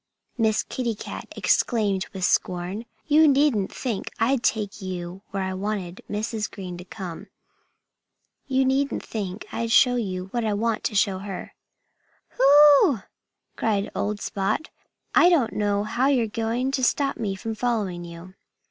Miss Kitty Cat exclaimed with scorn. "You needn't think I'd take you where I want Mrs. Green to come. You needn't think I'd show you what I want her to see." "Ho!" cried old Spot. "I don't know how you're going to stop me from following you."